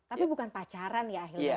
tapi bukan pacaran ya ahilman